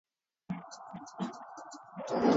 Three own goals were scored during the tournament.